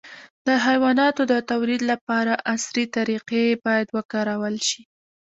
د حیواناتو د تولید لپاره عصري طریقې باید وکارول شي.